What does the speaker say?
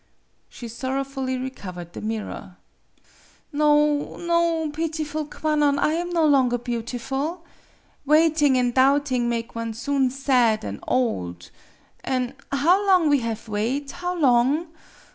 She sorrowfully recovered the mirror. "No no; pitiful Kwannon, I am no longer beautiful! Waiting an' doubting make one soon sad an' old. An' how long we have wait! how long!